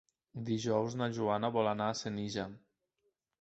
Dilluns na Joana vol anar a Senija.